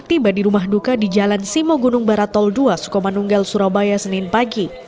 tiba di rumah duka di jalan simo gunung barat tol dua sukomanunggal surabaya senin pagi